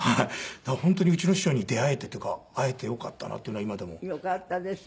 だから本当にうちの師匠に出会えてというか会えてよかったなというのは今でも。よかったですね。